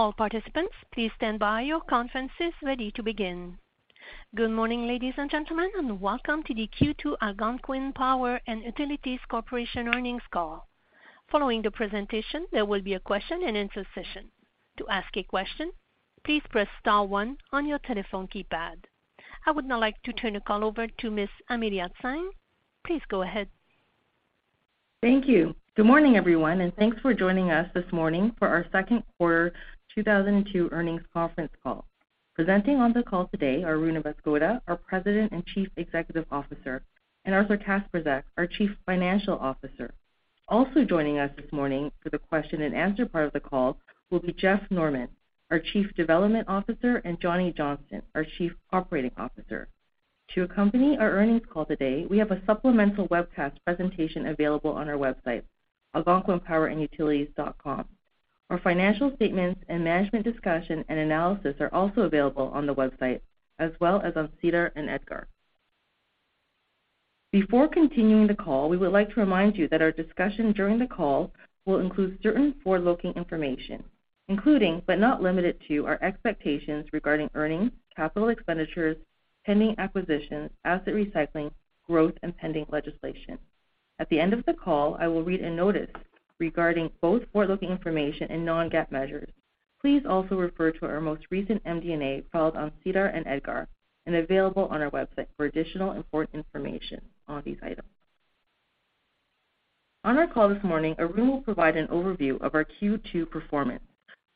All participants, please stand by. Your conference is ready to begin. Good morning, ladies and gentlemen, and welcome to the Q2 Algonquin Power & Utilities Corp. Earnings Call. Following the presentation, there will be a question and answer session. To ask a question, please press star one on your telephone keypad. I would now like to turn the call over to Ms. Amelia Tsang. Please go ahead. Thank you. Good morning, everyone, and thanks for joining us this morning for our Q2 2022 Earnings Conference Call. Presenting on the call today are Arun Banskota, our President and Chief Executive Officer, and Arthur Kacprzak, our Chief Financial Officer. Also joining us this morning for the question and answer part of the call will be Jeff Norman, our Chief Development Officer, and Johnny Johnston, our Chief Operating Officer. To accompany our earnings call today, we have a supplemental webcast presentation available on our website, algonquinpower.com. Our financial statements and management discussion and analysis are also available on the website as well as on SEDAR and EDGAR. Before continuing the call, we would like to remind you that our discussion during the call will include certain forward-looking information, including but not limited to our expectations regarding earnings, capital expenditures, pending acquisitions, asset recycling, growth, and pending legislation. At the end of the call, I will read a notice regarding both forward-looking information and non-GAAP measures. Please also refer to our most recent MD&A filed on SEDAR and EDGAR and available on our website for additional important information on these items. On our call this morning, Arun will provide an overview of our Q2 performance.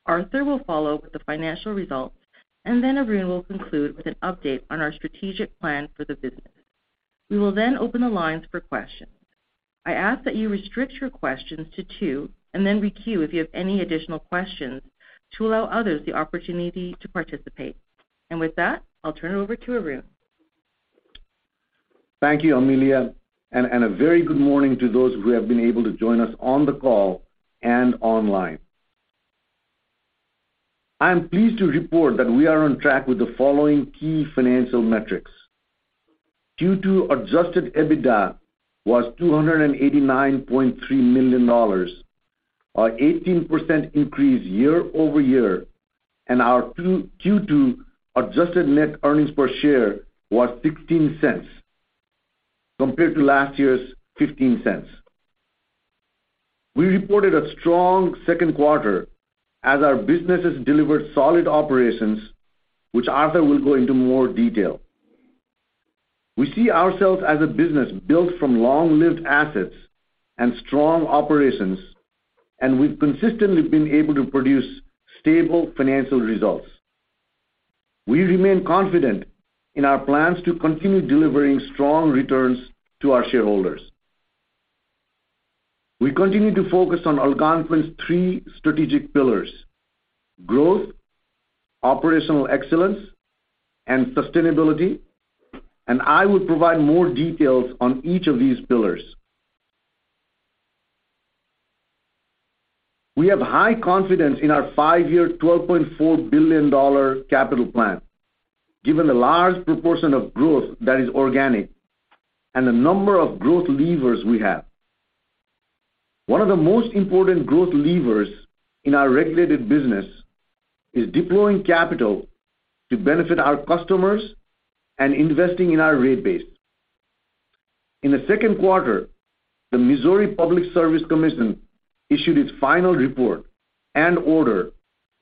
Arthur will follow with the financial results, and then Arun will conclude with an update on our strategic plan for the business. We will then open the lines for questions. I ask that you restrict your questions to two and then re-queue if you have any additional questions to allow others the opportunity to participate. With that, I'll turn it over to Arun. Thank you, Amelia, and a very good morning to those who have been able to join us on the call and online. I am pleased to report that we are on track with the following key financial metrics. Q2 adjusted EBITDA was $289.3 million, an 18% increase year-over-year, and our Q2 adjusted net earnings per share was $0.16 compared to last year's $0.15. We reported a strong Q2 as our businesses delivered solid operations, which Arthur will go into more detail. We see ourselves as a business built from long-lived assets and strong operations, and we've consistently been able to produce stable financial results. We remain confident in our plans to continue delivering strong returns to our shareholders. We continue to focus on Algonquin's three strategic pillars, growth, operational excellence, and sustainability. I will provide more details on each of these pillars. We have high confidence in our five-year $12.4 billion capital plan, given the large proportion of growth that is organic and the number of growth levers we have. One of the most important growth levers in our regulated business is deploying capital to benefit our customers and investing in our rate base. In Q2, the Missouri Public Service Commission issued its final report and order,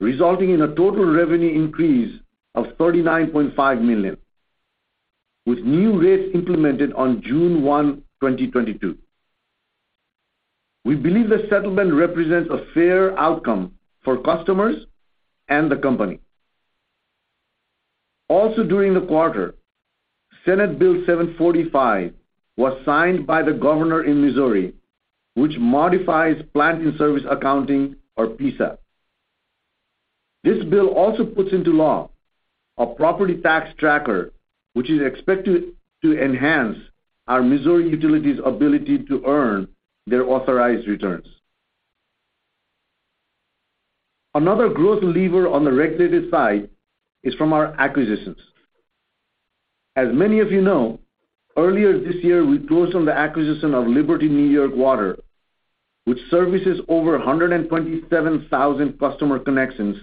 resulting in a total revenue increase of $39.5 million, with new rates implemented on June 1, 2022. We believe the settlement represents a fair outcome for customers and the company. Also during the quarter, Senate Bill 745 was signed by the governor in Missouri, which modifies Plant-in-Service Accounting, or PISA. This bill also puts into law a property tax tracker, which is expected to enhance our Missouri utility's ability to earn their authorized returns. Another growth lever on the regulated side is from our acquisitions. As many of you know, earlier this year we closed on the acquisition of New York American Water, which services over 127,000 customer connections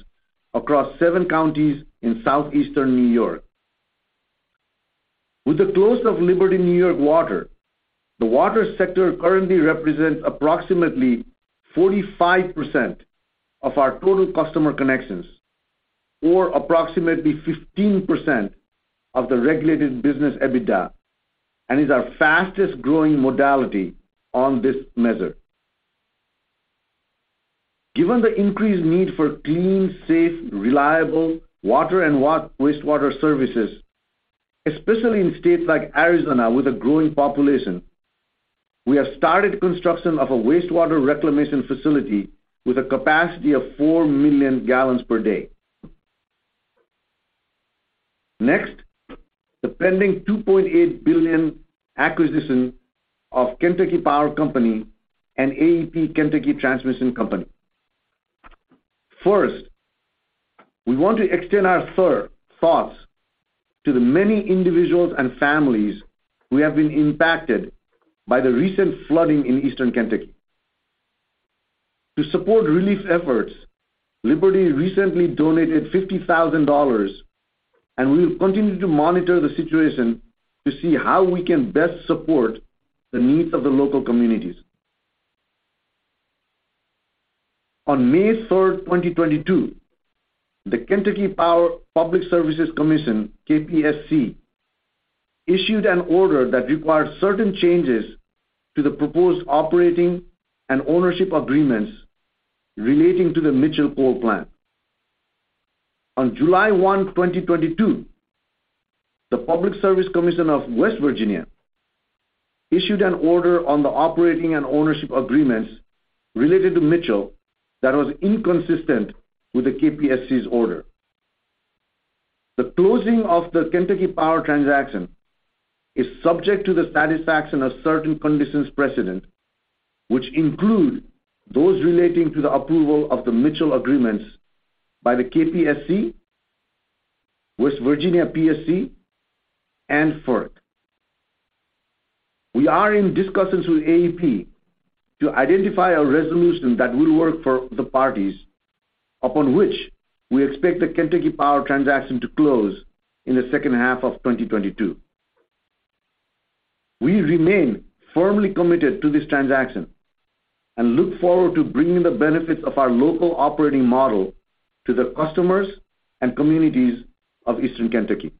across seven counties in southeastern New York. With the close of New York American Water, the water sector currently represents approximately 45% of our total customer connections or approximately 15% of the regulated business EBITDA, and is our fastest-growing modality on this measure. Given the increased need for clean, safe, reliable water and wastewater services, especially in states like Arizona with a growing population, we have started construction of a wastewater reclamation facility with a capacity of 4 million gallons per day. Next, the pending $2.8 billion acquisition of Kentucky Power Company and AEP Kentucky Transmission Company. First, we want to extend our thoughts to the many individuals and families who have been impacted by the recent flooding in Eastern Kentucky. To support relief efforts, Liberty recently donated $50,000, and we will continue to monitor the situation to see how we can best support the needs of the local communities. On May 3rd, 2022, the Kentucky Public Service Commission, KPSC, issued an order that required certain changes to the proposed operating and ownership agreements relating to the Mitchell Power Plant. On July 1, 2022, the Public Service Commission of West Virginia issued an order on the operating and ownership agreements related to Mitchell that was inconsistent with the KPSC's order. The closing of the Kentucky Power transaction is subject to the satisfaction of certain conditions precedent, which include those relating to the approval of the Mitchell agreements by the KPSC, West Virginia PSC, and FERC. We are in discussions with AEP to identify a resolution that will work for the parties upon which we expect the Kentucky Power transaction to close in the second half of 2022. We remain firmly committed to this transaction and look forward to bringing the benefits of our local operating model to the customers and communities of Eastern Kentucky.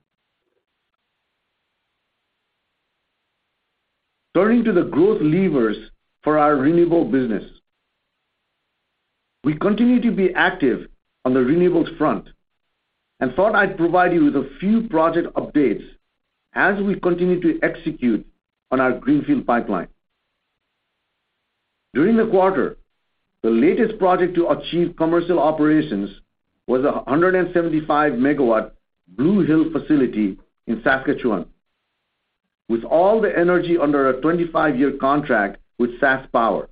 Turning to the growth levers for our renewable business. We continue to be active on the renewables front, and thought I'd provide you with a few project updates as we continue to execute on our greenfield pipeline. During the quarter, the latest project to achieve commercial operations was 175-megawatt Blue Hill facility in Saskatchewan, with all the energy under a 25-year contract with SaskPower.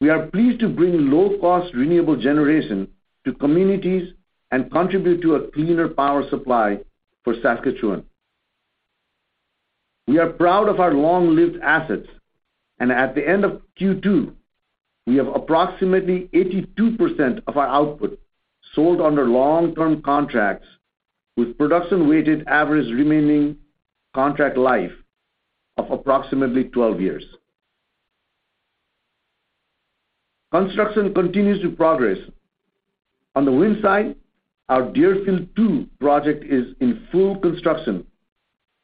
We are pleased to bring low-cost renewable generation to communities and contribute to a cleaner power supply for Saskatchewan. We are proud of our long-lived assets, and at the end of Q2, we have approximately 82% of our output sold under long-term contracts with production-weighted average remaining contract life of approximately 12 years. Construction continues to progress. On the wind side, our Deerfield II project is in full construction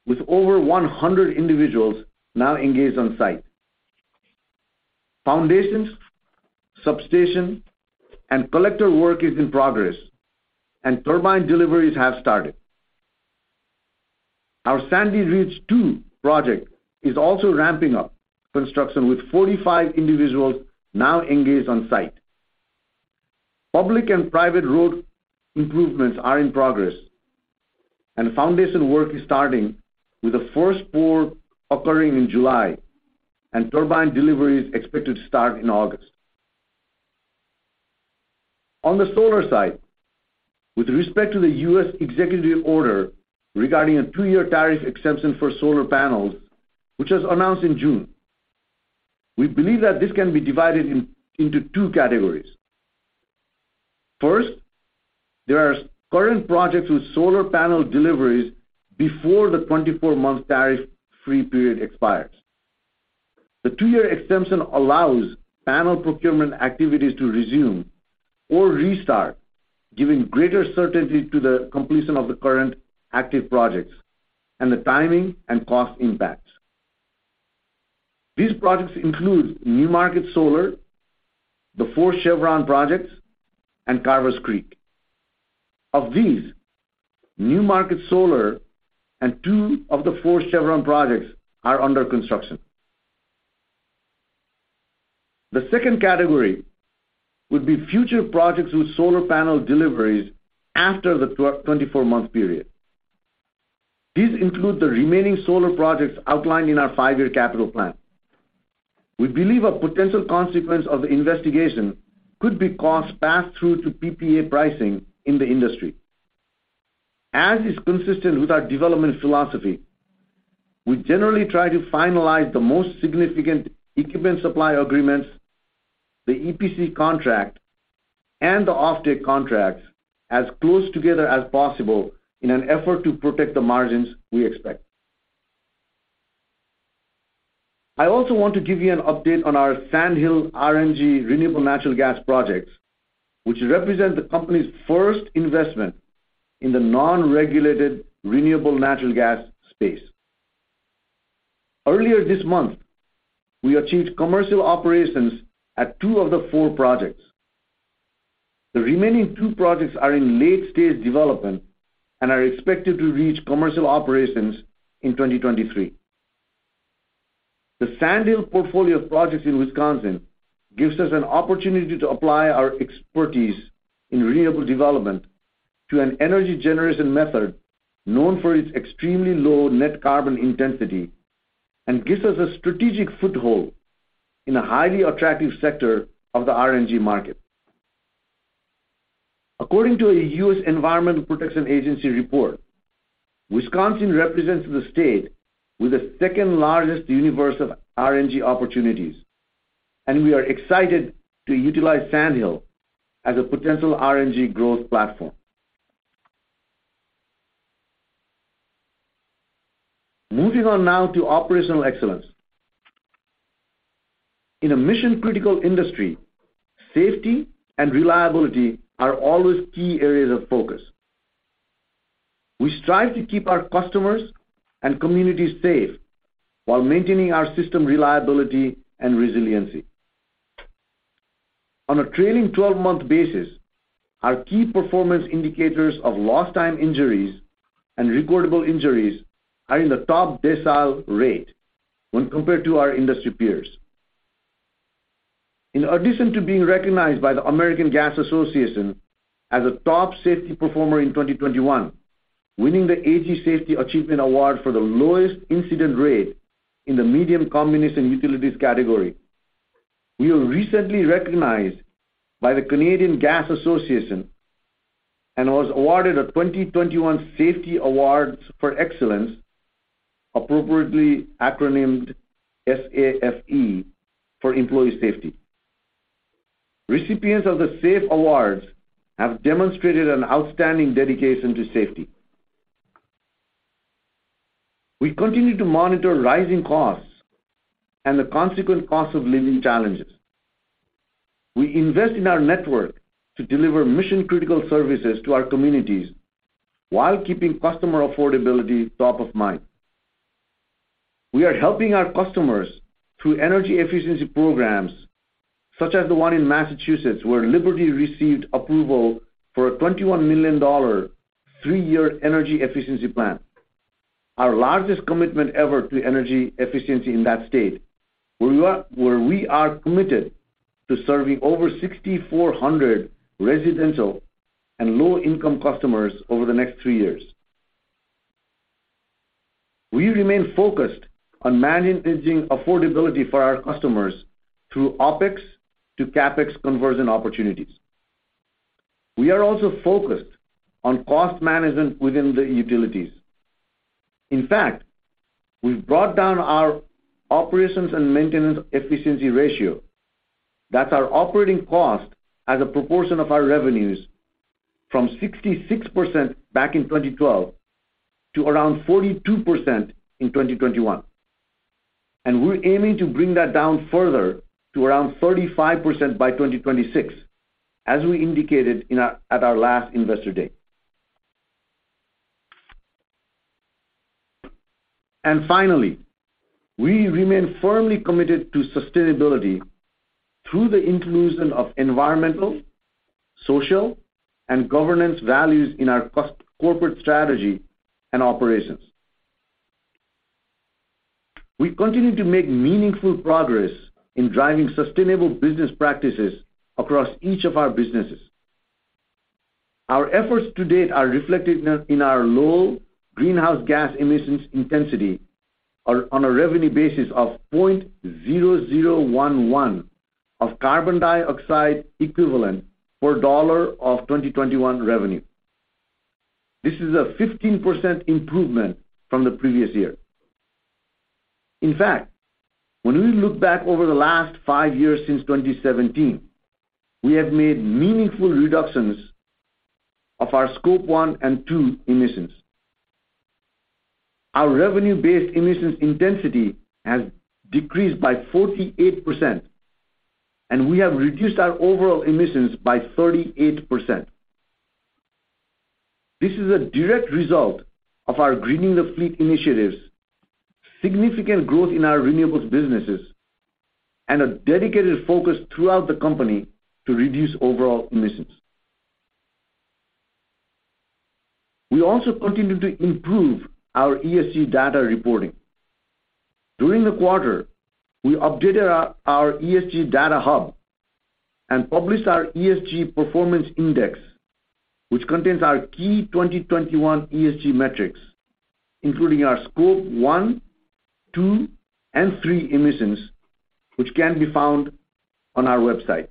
with over 100 individuals now engaged on site. Foundations, substation, and collector work is in progress, and turbine deliveries have started. Our Sandy Ridge II project is also ramping up construction with 45 individuals now engaged on site. Public and private road improvements are in progress, and foundation work is starting with the first bore occurring in July, and turbine delivery is expected to start in August. On the solar side, with respect to the U.S. executive order regarding a two-year tariff exemption for solar panels, which was announced in June, we believe that this can be divided into two categories. First, there are current projects with solar panel deliveries before the 24-month tariff-free period expires. The two-year exemption allows panel procurement activities to resume or restart, giving greater certainty to the completion of the current active projects and the timing and cost impacts. These projects include New Market Solar, the four Chevron projects, and Carvers Creek Solar. Of these, New Market Solar and two of the four Chevron projects are under construction. The second category would be future projects with solar panel deliveries after the 24-month period. These include the remaining solar projects outlined in our five-year capital plan. We believe a potential consequence of the investigation could be costs passed through to PPA pricing in the industry. As is consistent with our development philosophy, we generally try to finalize the most significant equipment supply agreements, the EPC contract, and the offtake contracts as close together as possible in an effort to protect the margins we expect. I also want to give you an update on our Sandhill RNG renewable natural gas projects, which represent the company's first investment in the non-regulated renewable natural gas space. Earlier this month, we achieved commercial operations at two of the four projects. The remaining two projects are in late-stage development and are expected to reach commercial operations in 2023. The Sandhill portfolio of projects in Wisconsin gives us an opportunity to apply our expertise in renewable development to an energy generation method known for its extremely low net carbon intensity and gives us a strategic foothold in a highly attractive sector of the RNG market. According to a U.S. Environmental Protection Agency report, Wisconsin represents the state with the second largest universe of RNG opportunities, and we are excited to utilize Sandhill as a potential RNG growth platform. Moving on now to operational excellence. In a mission-critical industry, safety and reliability are always key areas of focus. We strive to keep our customers and communities safe while maintaining our system reliability and resiliency. On a trailing twelve-month basis, our key performance indicators of lost time injuries and recordable injuries are in the top decile rate when compared to our industry peers. In addition to being recognized by the American Gas Association as a top safety performer in 2021, winning the AGA Safety Achievement Award for the lowest incident rate in the medium companies and utilities category, we were recently recognized by the Canadian Gas Association and was awarded a 2021 Safety Awards For Excellence, appropriately acronymed SAFE for employee safety. Recipients of the SAFE Awards have demonstrated an outstanding dedication to safety. We continue to monitor rising costs and the consequent cost of living challenges. We invest in our network to deliver mission-critical services to our communities while keeping customer affordability top of mind. We are helping our customers through energy efficiency programs, such as the one in Massachusetts, where Liberty received approval for a $21 million three-year energy efficiency plan, our largest commitment ever to energy efficiency in that state, where we are committed to serving over 6,400 residential and low-income customers over the next three years. We remain focused on managing affordability for our customers through OpEx to CapEx conversion opportunities. We are also focused on cost management within the utilities. In fact, we've brought down our operations and maintenance efficiency ratio. That's our operating cost as a proportion of our revenues from 66% back in 2012 to around 42% in 2021. We're aiming to bring that down further to around 35% by 2026, as we indicated at our last Investor Day. Finally, we remain firmly committed to sustainability through the inclusion of environmental, social, and governance values in our corporate strategy and operations. We continue to make meaningful progress in driving sustainable business practices across each of our businesses. Our efforts to date are reflected in our low greenhouse gas emissions intensity on a revenue basis of 0.0011 of carbon dioxide equivalent per dollar of 2021 revenue. This is a 15% improvement from the previous year. In fact, when we look back over the last five years since 2017, we have made meaningful reductions of our scope one and two emissions. Our revenue-based emissions intensity has decreased by 48%, and we have reduced our overall emissions by 38%. This is a direct result of our Greening the Fleet initiatives, significant growth in our renewables businesses, and a dedicated focus throughout the company to reduce overall emissions. We also continue to improve our ESG data reporting. During the quarter, we updated our ESG data hub and published our ESG performance index, which contains our key 2021 ESG metrics, including our scope one, two, and three emissions, which can be found on our website.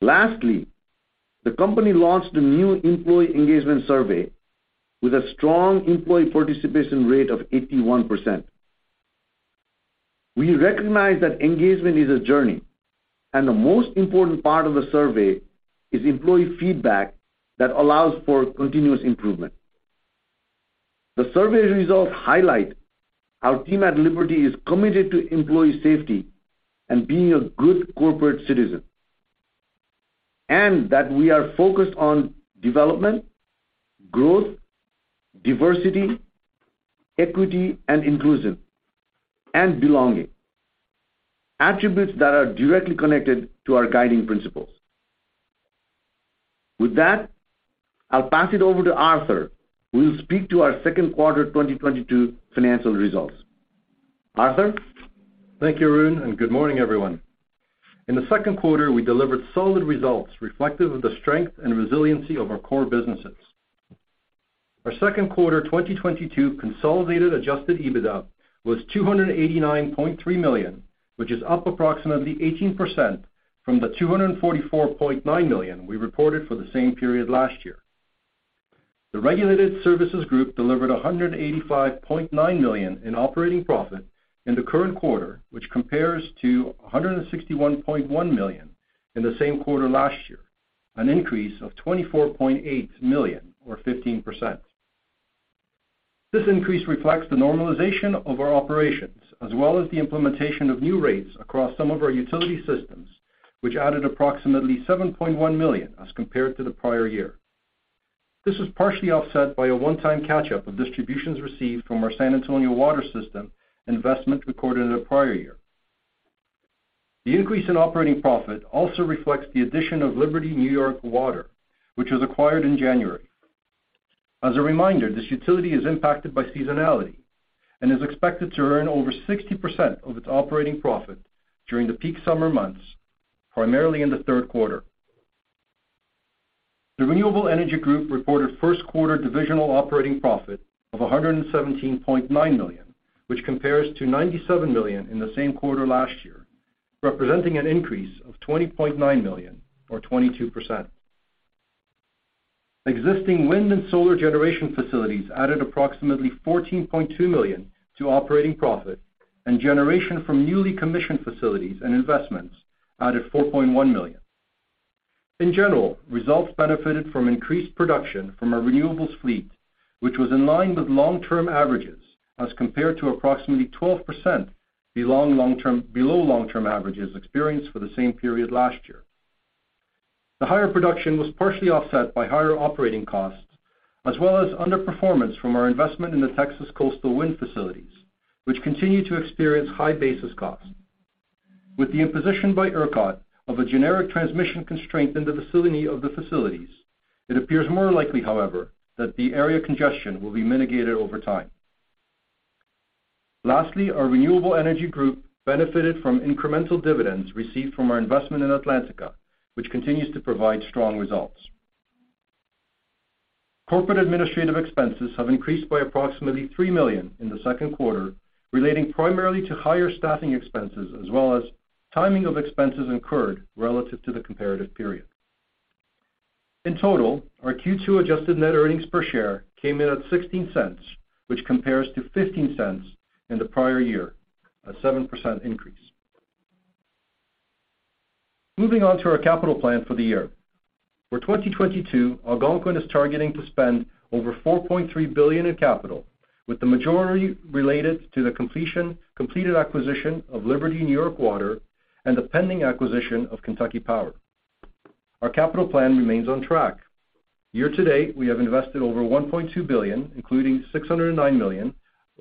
Lastly, the company launched a new employee engagement survey with a strong employee participation rate of 81%. We recognize that engagement is a journey, and the most important part of the survey is employee feedback that allows for continuous improvement. The survey results highlight our team at Liberty is committed to employee safety and being a good corporate citizen, and that we are focused on development, growth, diversity, equity and inclusion, and belonging, attributes that are directly connected to our guiding principles. With that, I'll pass it over to Arthur, who will speak to our Q2 2022 financial results. Arthur? Thank you, Arun, and good morning, everyone. In Q2, we delivered solid results reflective of the strength and resiliency of our core businesses. Our Q2 2022 consolidated adjusted EBITDA was $289.3 million, which is up approximately 18% from the $244.9 million we reported for the same period last year. The Regulated Services Group delivered $185.9 million in operating profit in the current quarter, which compares to $161.1 million in the same quarter last year, an increase of $24.8 million or 15%. This increase reflects the normalization of our operations as well as the implementation of new rates across some of our utility systems, which added approximately $7.1 million as compared to the prior year. This was partially offset by a one-time catch-up of distributions received from our San Antonio Water System investment recorded in the prior year. The increase in operating profit also reflects the addition of New York American Water, which was acquired in January. As a reminder, this utility is impacted by seasonality and is expected to earn over 60% of its operating profit during the peak summer months, primarily in Q3. The Renewable Energy Group reported Q1 divisional operating profit of $117.9 million, which compares to $97 million in the same quarter last year, representing an increase of $20.9 million or 22%. Existing wind and solar generation facilities added approximately $14.2 million to operating profit, and generation from newly commissioned facilities and investments added $4.1 million. In general, results benefited from increased production from our renewables fleet, which was in line with long-term averages as compared to approximately 12% below long-term averages experienced for the same period last year. The higher production was partially offset by higher operating costs as well as underperformance from our investment in the Texas coastal wind facilities, which continue to experience high basis costs. With the imposition by ERCOT of a generic transmission constraint in the vicinity of the facilities, it appears more likely, however, that the area congestion will be mitigated over time. Lastly, our Renewable Energy Group benefited from incremental dividends received from our investment in Atlantica, which continues to provide strong results. Corporate administrative expenses have increased by approximately $3 million in Q2, relating primarily to higher staffing expenses as well as timing of expenses incurred relative to the comparative period. In total, our Q2 adjusted net earnings per share came in at $0.16, which compares to $0.15 in the prior year, a 7% increase. Moving on to our capital plan for the year. For 2022, Algonquin is targeting to spend over $4.3 billion in capital, with the majority related to the completed acquisition of New York American Water and the pending acquisition of Kentucky Power. Our capital plan remains on track. Year-to-date, we have invested over $1.2 billion, including $609 million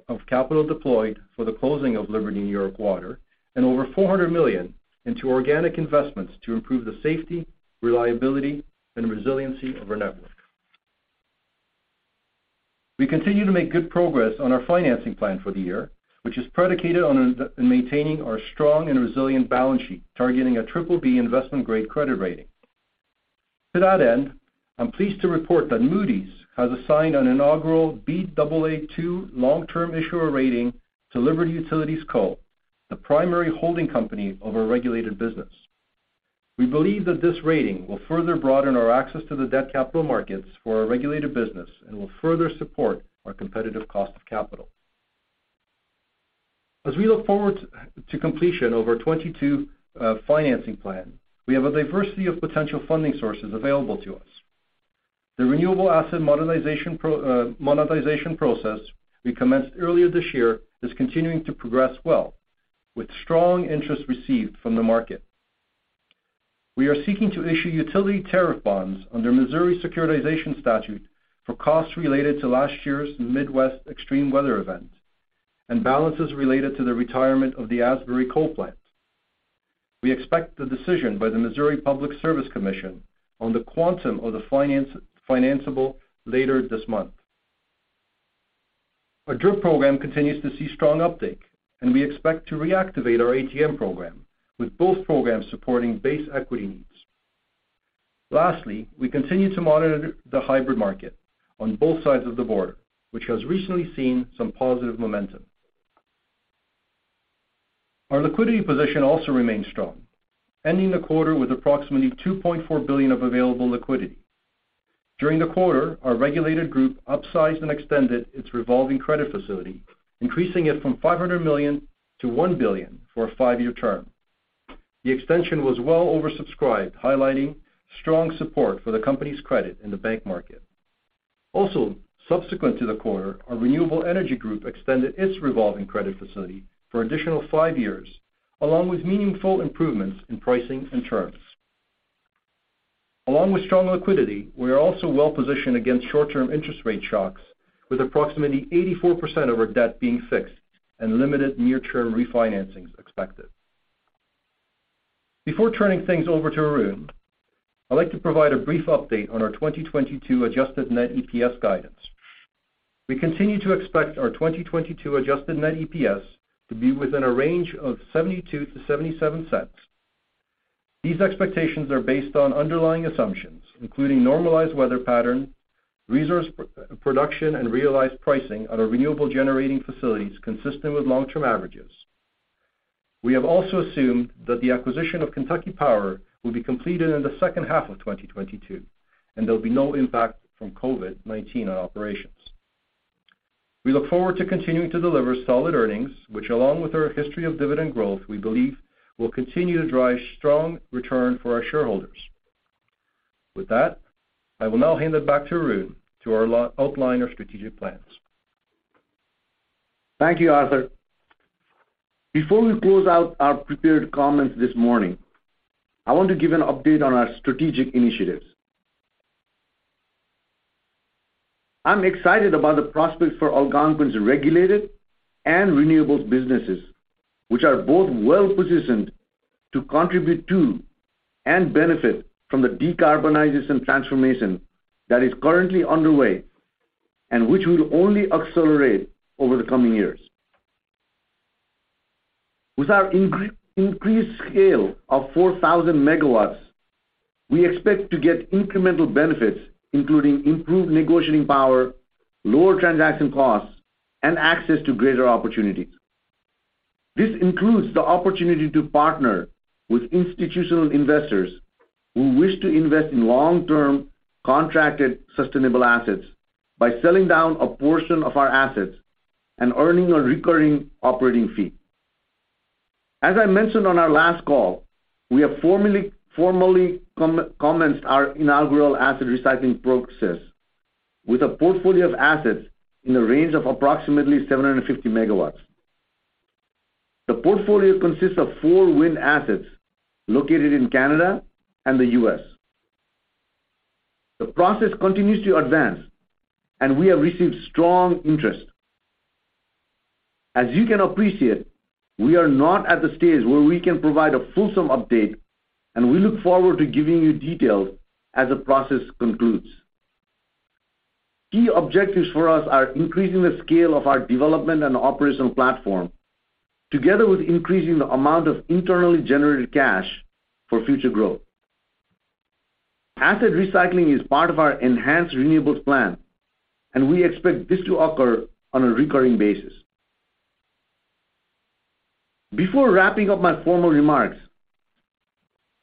of capital deployed for the closing of New York American Water and over $400 million into organic investments to improve the safety, reliability, and resiliency of our network. We continue to make good progress on our financing plan for the year, which is predicated on maintaining our strong and resilient balance sheet, targeting a BBB investment-grade credit rating. To that end, I'm pleased to report that Moody's has assigned an inaugural Baa2 long-term issuer rating to Liberty Utilities Co., the primary holding company of our regulated business. We believe that this rating will further broaden our access to the debt capital markets for our regulated business and will further support our competitive cost of capital. As we look forward to completion of our 2022 financing plan, we have a diversity of potential funding sources available to us. The renewable asset monetization process we commenced earlier this year is continuing to progress well, with strong interest received from the market. We are seeking to issue utility tariff bonds under Missouri securitization statute for costs related to last year's Midwest extreme weather event and balances related to the retirement of the Asbury coal plant. We expect the decision by the Missouri Public Service Commission on the quantum of the financable later this month. Our DRIP program continues to see strong uptake, and we expect to reactivate our ATM program, with both programs supporting base equity needs. Lastly, we continue to monitor the hybrid market on both sides of the border, which has recently seen some positive momentum. Our liquidity position also remains strong, ending the quarter with approximately $2.4 billion of available liquidity. During the quarter, our Regulated Services Group upsized and extended its revolving credit facility, increasing it from $500 million to $1 billion for a five-year term. The extension was well oversubscribed, highlighting strong support for the company's credit in the bond market. Subsequent to the quarter, our Renewable Energy Group extended its revolving credit facility for an additional five years, along with meaningful improvements in pricing and terms. With strong liquidity, we are also well-positioned against short-term interest rate shocks, with approximately 84% of our debt being fixed and limited near-term refinancings expected. Before turning things over to Arun, I'd like to provide a brief update on our 2022 adjusted net EPS guidance. We continue to expect our 2022 adjusted net EPS to be within a range of $0.72-$0.77. These expectations are based on underlying assumptions, including normalized weather patterns, resource performance, and realized pricing at our renewable generating facilities consistent with long-term averages. We have also assumed that the acquisition of Kentucky Power will be completed in the second half of 2022, and there'll be no impact from COVID-19 on operations. We look forward to continuing to deliver solid earnings, which, along with our history of dividend growth, we believe will continue to drive strong return for our shareholders. With that, I will now hand it back to Arun to outline our strategic plans. Thank you, Arthur. Before we close out our prepared comments this morning, I want to give an update on our strategic initiatives. I'm excited about the prospects for Algonquin's regulated and renewables businesses, which are both well-positioned to contribute to and benefit from the decarbonization transformation that is currently underway and which will only accelerate over the coming years. With our increased scale of 4,000 megawatts, we expect to get incremental benefits, including improved negotiating power, lower transaction costs, and access to greater opportunities. This includes the opportunity to partner with institutional investors who wish to invest in long-term contracted sustainable assets by selling down a portion of our assets and earning a recurring operating fee. As I mentioned on our last call, we have formally commenced our inaugural asset recycling process with a portfolio of assets in the range of approximately 750 megawatts. The portfolio consists of four wind assets located in Canada and the U.S. The process continues to advance, and we have received strong interest. As you can appreciate, we are not at the stage where we can provide a fulsome update, and we look forward to giving you details as the process concludes. Key objectives for us are increasing the scale of our development and operational platform together with increasing the amount of internally generated cash for future growth. Asset recycling is part of our enhanced renewables plan, and we expect this to occur on a recurring basis. Before wrapping up my formal remarks,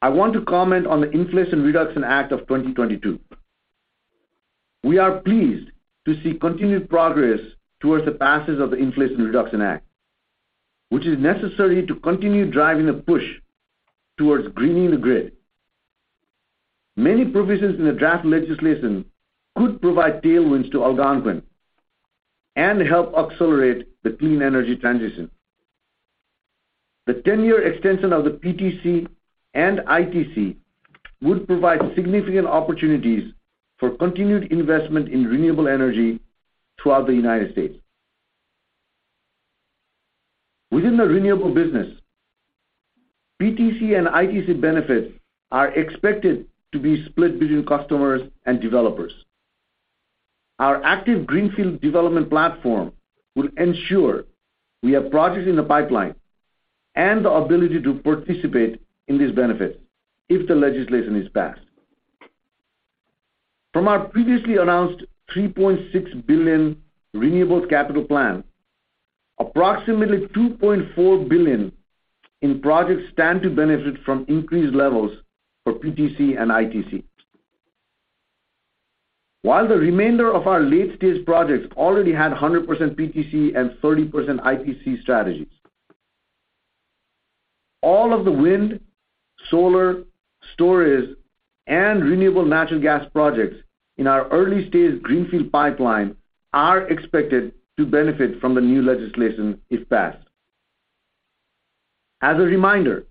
I want to comment on the Inflation Reduction Act of 2022. We are pleased to see continued progress towards the passage of the Inflation Reduction Act, which is necessary to continue driving the push towards greening the grid. Many provisions in the draft legislation could provide tailwinds to Algonquin and help accelerate the clean energy transition. The 10-year extension of the PTC and ITC would provide significant opportunities for continued investment in renewable energy throughout the United States. Within the renewable business, PTC and ITC benefits are expected to be split between customers and developers. Our active greenfield development platform will ensure we have projects in the pipeline and the ability to participate in these benefits if the legislation is passed. From our previously announced $3.6 billion renewables capital plan, approximately $2.4 billion in projects stand to benefit from increased levels for PTC and ITC. While the remainder of our late-stage projects already had 100% PTC and 30% ITC strategies. All of the wind, solar, storage, and renewable natural gas projects in our early-stage greenfield pipeline are expected to benefit from the new legislation if passed. As a reminder,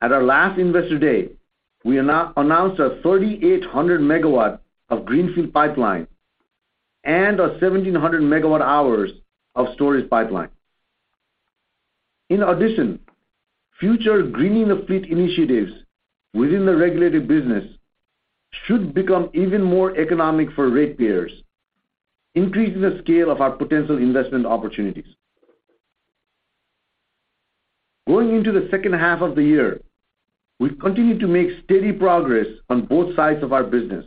at our last Investor Day, we announced a 3,800 MW greenfield pipeline and a 1,700 MWh storage pipeline. In addition, future Greening the Fleet initiatives within the regulated business should become even more economic for ratepayers, increasing the scale of our potential investment opportunities. Going into the second half of the year, we've continued to make steady progress on both sides of our business.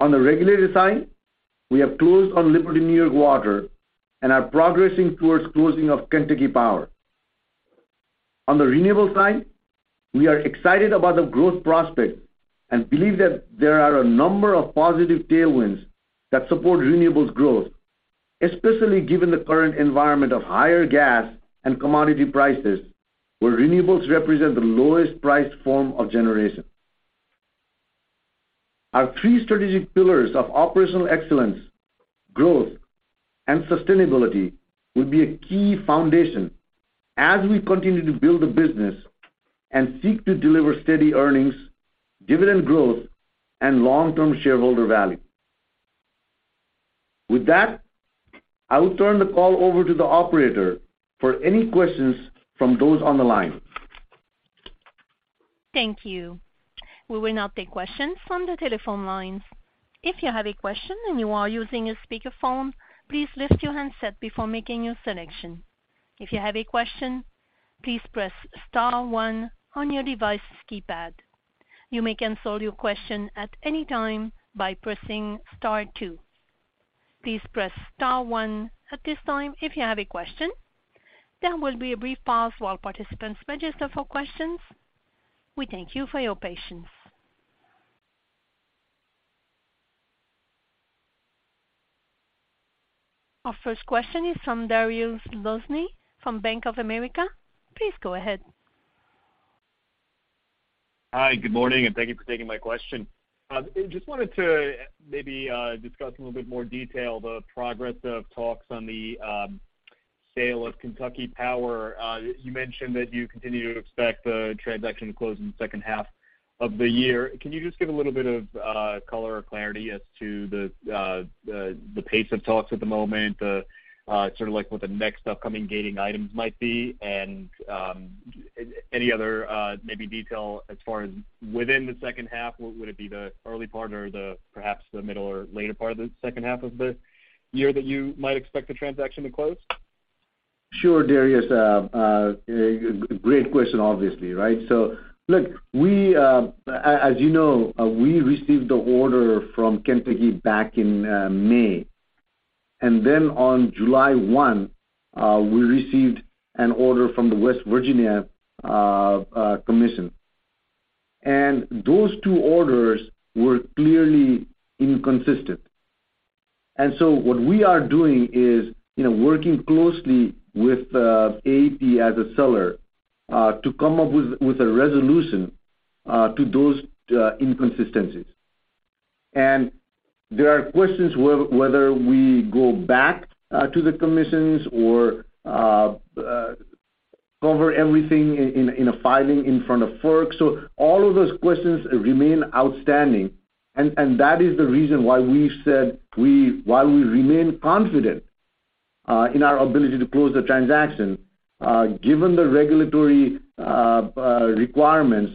On the regulated side, we have closed on New York American Water and are progressing towards closing of Kentucky Power. On the renewable side, we are excited about the growth prospects and believe that there are a number of positive tailwinds that support renewables growth, especially given the current environment of higher gas and commodity prices, where renewables represent the lowest priced form of generation. Our three strategic pillars of operational excellence, growth, and sustainability will be a key foundation as we continue to build the business and seek to deliver steady earnings, dividend growth, and long-term shareholder value. With that, I will turn the call over to the operator for any questions from those on the line. Thank you. We will now take questions from the telephone lines. If you have a question and you are using a speakerphone, please lift your handset before making your selection. If you have a question, please press star one on your device's keypad. You may cancel your question at any time by pressing star two. Please press star one at this time if you have a question. There will be a brief pause while participants register for questions. We thank you for your patience. Our first question is from Julien Dumoulin-Smith from Bank of America. Please go ahead. Hi, good morning, and thank you for taking my question. Just wanted to maybe discuss a little bit more detail the progress of talks on the sale of Kentucky Power. You mentioned that you continue to expect the transaction to close in the second half of the year. Can you just give a little bit of color or clarity as to the pace of talks at the moment, sort of like what the next upcoming gating items might be? Any other maybe detail as far as within the second half, would it be the early part or perhaps the middle or later part of the second half of the year that you might expect the transaction to close? Sure, Dumoulin. Great question, obviously, right? Look, we, as you know, received the order from Kentucky back in May. On July 1, we received an order from the West Virginia Commission. Those two orders were clearly inconsistent. What we are doing is, you know, working closely with AEP as a seller to come up with a resolution to those inconsistencies. There are questions whether we go back to the commissions or cover everything in a filing in front of FERC. All of those questions remain outstanding. That is the reason why, while we remain confident in our ability to close the transaction, given the regulatory requirements,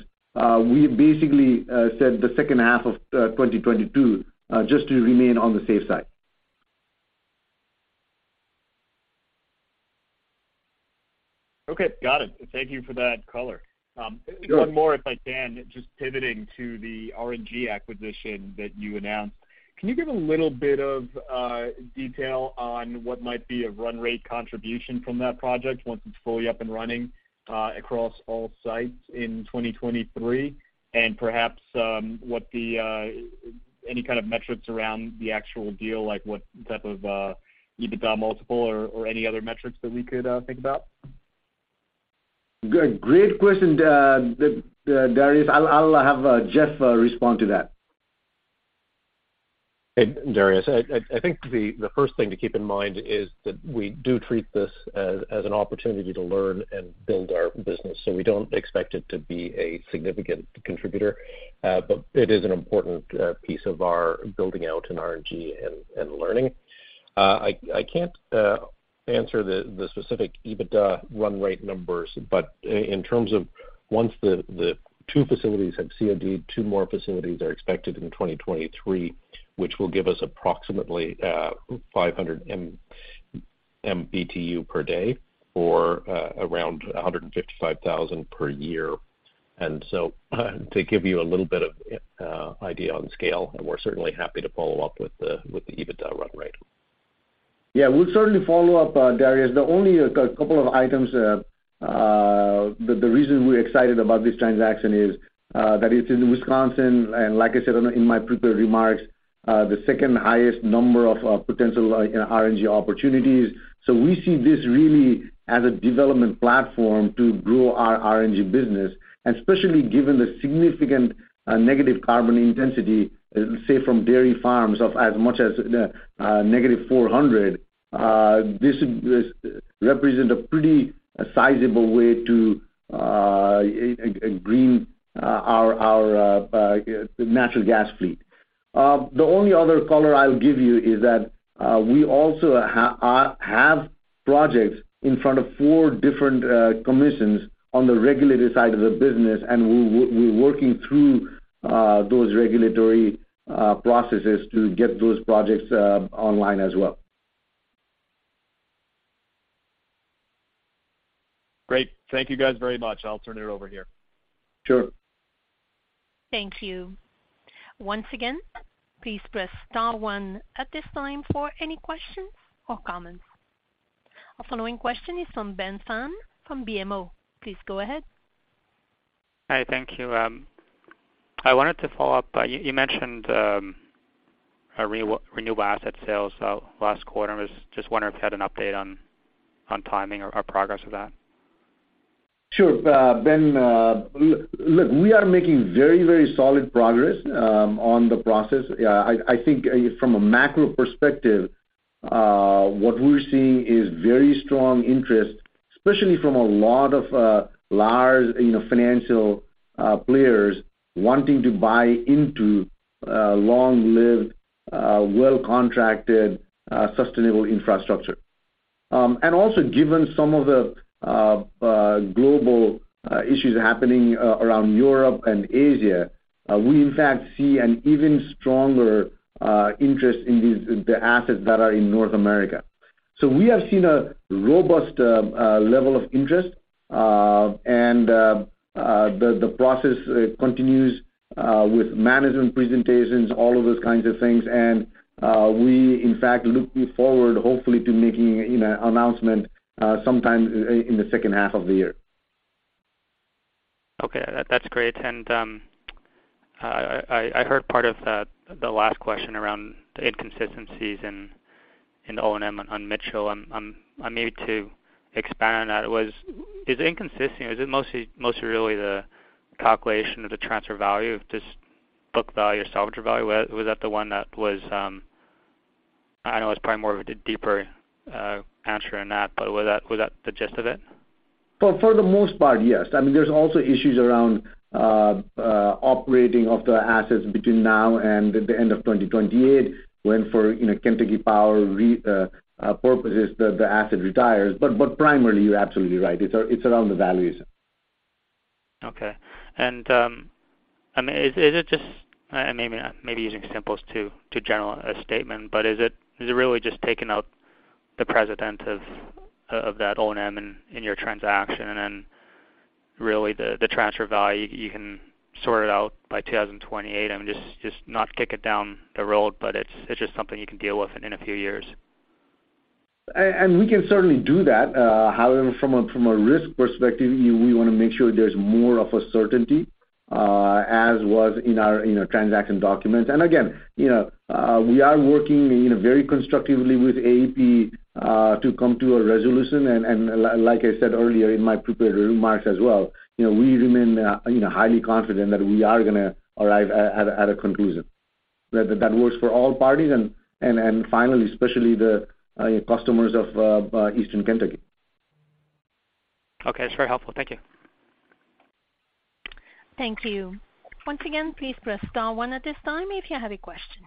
we basically said the second half of 2022 just to remain on the safe side. Okay. Got it. Thank you for that color. Sure. One more, if I can, just pivoting to the RNG acquisition that you announced. Can you give a little bit of detail on what might be a run rate contribution from that project once it's fully up and running across all sites in 2023? Perhaps what any kind of metrics around the actual deal, like what type of EBITDA multiple or any other metrics that we could think about? Great question, Dumoulin. I'll have Jeff respond to that. Hey, Julien Dumoulin-Smith. I think the first thing to keep in mind is that we do treat this as an opportunity to learn and build our business, so we don't expect it to be a significant contributor. It is an important piece of our building out in RNG and learning. I can't answer the specific EBITDA run rate numbers, but in terms of once the two facilities have COD'd, two more facilities are expected in 2023, which will give us approximately 500 MMBtu per day or around 155,000 per year. To give you a little bit of idea on scale, we're certainly happy to follow up with the EBITDA run rate. Yeah, we'll certainly follow up, Dumoulin. The only couple of items, the reason we're excited about this transaction is that it's in Wisconsin. Like I said in my prepared remarks, the second-highest number of potential RNG opportunities. We see this really as a development platform to grow our RNG business, and especially given the significant negative carbon intensity, say, from dairy farms of as much as negative 400. This represent a pretty sizable way to green the natural gas fleet. The only other color I'll give you is that we also have projects in front of four different commissions on the regulatory side of the business, and we're working through those regulatory processes to get those projects online as well. Great. Thank you guys very much. I'll turn it over here. Sure. Thank you. Once again, please press star one at this time for any questions or comments. Our following question is from Ben Pham from BMO. Please go ahead. Hi. Thank you. I wanted to follow up. You mentioned a renewable asset sale. Last quarter, I was just wondering if you had an update on timing or progress of that? Sure. Ben, look, we are making very, very solid progress on the process. I think from a macro perspective, what we're seeing is very strong interest, especially from a lot of large, you know, financial players wanting to buy into long-lived, well-contracted sustainable infrastructure. Also given some of the global issues happening around Europe and Asia, we in fact see an even stronger interest in the assets that are in North America. We have seen a robust level of interest. The process continues with management presentations, all of those kinds of things. We in fact looking forward, hopefully to making, you know, announcement sometime in the second half of the year. Okay. That's great. I heard part of the last question around the inconsistencies in O&M on Mitchell. I need to expand on that. Is inconsistency or is it mostly really the calculation of the transfer value of just book value or salvage value? Was that the one that was? I know it's probably more of a deeper answer than that, but was that the gist of it? For the most part, yes. I mean, there's also issues around operating of the assets between now and the end of 2028 when, you know, Kentucky Power repurposes the asset retires. But primarily, you're absolutely right. It's around the valuation. I mean, is it just maybe using simple to generalize a statement, but is it really just taking out the presence of that O&M in your transaction and then really the transfer value you can sort it out by 2028? I mean, just not kick it down the road, but it's just something you can deal with in a few years. We can certainly do that. However, from a risk perspective, we want to make sure there's more of a certainty, as was in our transaction documents. Again, you know, we are working, you know, very constructively with AP to come to a resolution. Like I said earlier in my prepared remarks as well, you know, we remain, you know, highly confident that we are gonna arrive at a conclusion that works for all parties. Finally, especially the customers of Eastern Kentucky. Okay. It's very helpful. Thank you. Thank you. Once again, please press star one at this time if you have a question.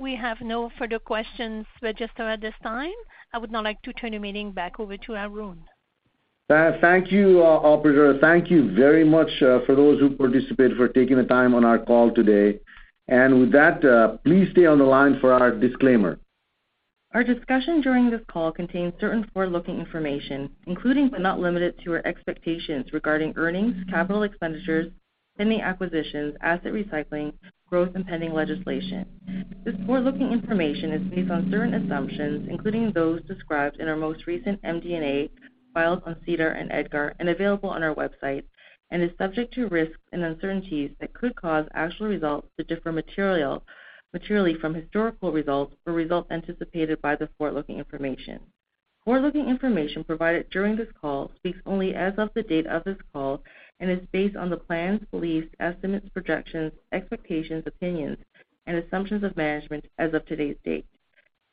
We have no further questions registered at this time. I would now like to turn the meeting back over to Arun. Thank you, operator. Thank you very much, for those who participated for taking the time on our call today. With that, please stay on the line for our disclaimer. Our discussion during this call contains certain forward-looking information, including but not limited to our expectations regarding earnings, capital expenditures, pending acquisitions, asset recycling, growth, and pending legislation. This forward-looking information is based on certain assumptions, including those described in our most recent MD&A filed on SEDAR and EDGAR and available on our website, and is subject to risks and uncertainties that could cause actual results to differ materially from historical results or results anticipated by the forward-looking information. Forward-looking information provided during this call speaks only as of the date of this call and is based on the plans, beliefs, estimates, projections, expectations, opinions, and assumptions of management as of today's date.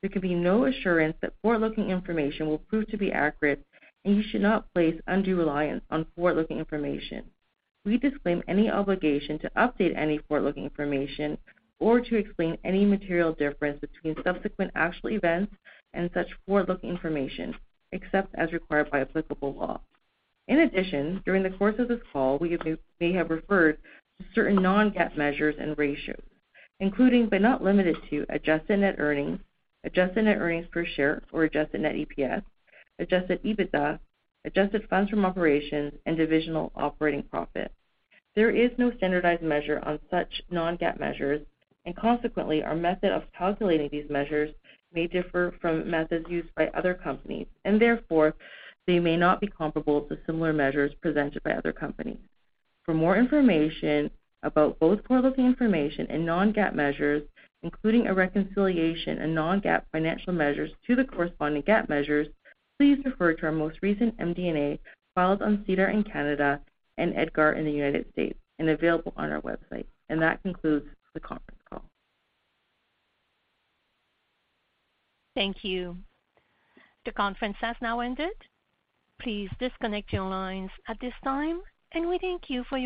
There can be no assurance that forward-looking information will prove to be accurate, and you should not place undue reliance on forward-looking information. We disclaim any obligation to update any forward-looking information or to explain any material difference between subsequent actual events and such forward-looking information, except as required by applicable law. In addition, during the course of this call, we may have referred to certain non-GAAP measures and ratios, including but not limited to adjusted net earnings, adjusted net earnings per share or adjusted net EPS, adjusted EBITDA, adjusted funds from operations, and divisional operating profit. There is no standardized measure on such non-GAAP measures, and consequently, our method of calculating these measures may differ from methods used by other companies, and therefore, they may not be comparable to similar measures presented by other companies. For more information about both forward-looking information and non-GAAP measures, including a reconciliation of non-GAAP financial measures to the corresponding GAAP measures, please refer to our most recent MD&A filed on SEDAR in Canada and EDGAR in the United States and available on our website. That concludes the conference call. Thank you. The conference has now ended. Please disconnect your lines at this time, and we thank you for your participation.